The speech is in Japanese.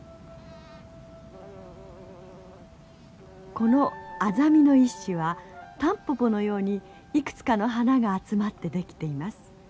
このアザミの一種はタンポポのようにいくつかの花が集まって出来ています。